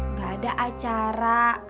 gak ada acara